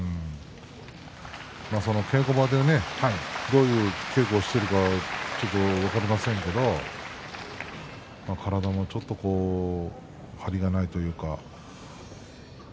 稽古場でねどういう稽古しているかちょっと分かりませんけれども体もちょっと張りがないというか。